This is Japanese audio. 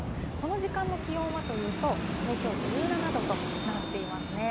この時間の気温はというと、東京は１７度となっています。